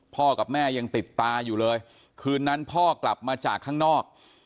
กับแม่ยังติดตาอยู่เลยคืนนั้นพ่อกลับมาจากข้างนอก